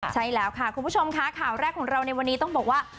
ใช่แล้วค่ะคุณผู้ชมค่ะข่าวแรกของเราในวันนี้ต้องบอกว่า